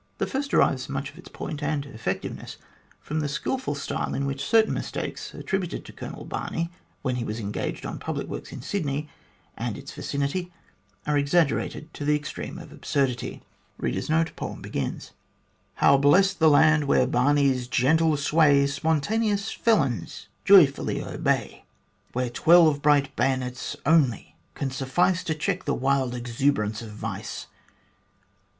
The first derives much of its point and effectiveness from the skilful style in which certain mistakes, attributed to Colonel Barney when he was engaged on public works in Sydney and its vicinity, are exaggerated to the extreme of absurdity : How blessed the land where Barney's gentle sway Spontaneous felons joyfully obey ; Where twelve bright bayonets only can suffice To check the wild exuberance of vice